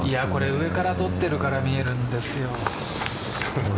上から撮ってるから見えるんですよ。